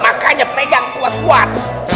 makanya pejang kuat kuat